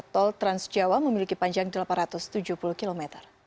tol transjawa memiliki panjang delapan ratus tujuh puluh km